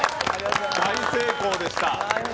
大成功でした。